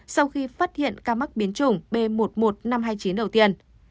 sau khi phát hiện ca mắc biến chủng b một một năm trăm hai mươi chín đầu tiên